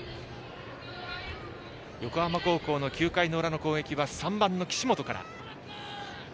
横浜高校の９回裏の攻撃は３番の岸本から。